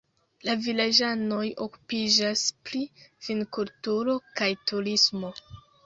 La vilaĝanoj okupiĝas pri vinkulturo kaj turismo.